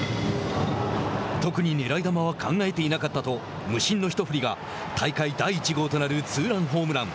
特に狙い球は考えていなかったと無心の一振りが大会第１号となるツーランホームラン。